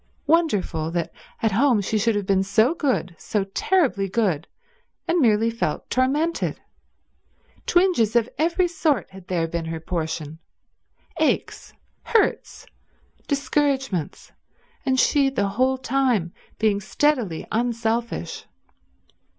Wonderful that at home she should have been so good, so terribly good, and merely felt tormented. Twinges of every sort had there been her portion; aches, hurts, discouragements, and she the whole time being steadily unselfish.